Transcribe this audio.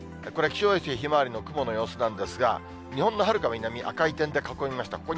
これ、気象衛星ひまわりの雲の様子なんですが、日本のはるか南、赤い点で囲みました。